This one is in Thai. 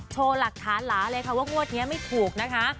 โชว์หลักฐานหลาเลยค่ะว่างวดนี้ไม่ถูกนะคะ